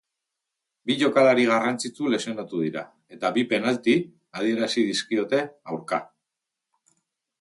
Bi jokalari garrantzitsu lesionatu dira, eta bi penalti adierazi dizkiote aurka.